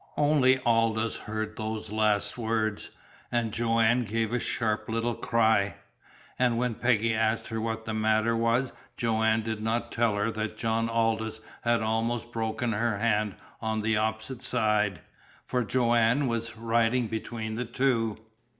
Only Aldous heard those last words, and Joanne gave a sharp little cry; and when Peggy asked her what the matter was Joanne did not tell her that John Aldous had almost broken her hand on the opposite side for Joanne was riding between the two.